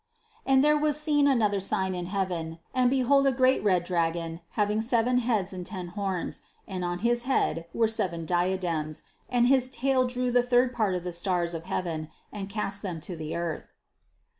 103. "And there was seen another sign in heaven; and behold a great red dragon having seven heads and ten horns ; and on his head were seven diadems, and his tail drew the third part of the stars of heaven, and cast them to the earth."